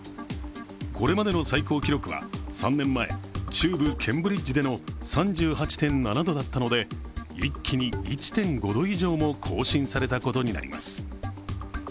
これまでの最高記録は３年前中部ケンブリンジでの３８．７度だったので一気に１．５度以上も更新されたことになります。